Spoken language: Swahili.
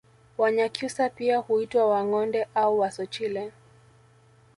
Wanyakyusa pia huitwa Wangonde au Wasochile